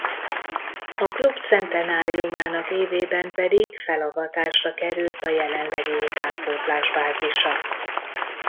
A klub centenáriumának évében pedig felavatásra került a jelenlegi utánpótlás bázisa.